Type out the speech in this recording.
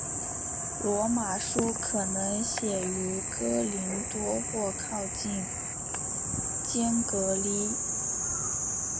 罗马书可能写于哥林多或靠近坚革哩。